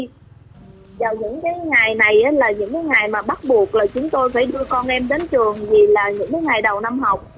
vào những ngày này là những ngày mà bắt buộc là chúng tôi phải đưa con em đến trường vì là những ngày đầu năm học